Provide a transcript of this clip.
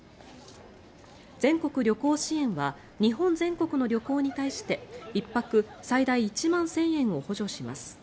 全国旅行支援は日本全国の旅行に対して１泊最大１万１０００円を補助します。